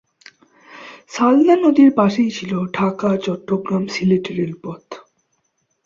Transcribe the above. সালদা নদীর পাশেই ছিলো ঢাকা-চট্টগ্রাম-সিলেট রেলপথ।